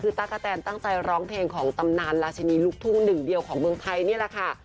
คือตะกะแตนตั้งใจร้องเพลงของตำนานราชินีลูกทุ่งหนึ่งเดียวของเมืองไทยนี่แหละค่ะ